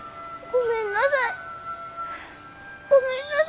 ごめんなさい。